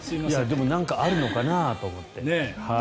でもなんかあるのかなと思って。